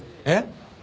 えっ？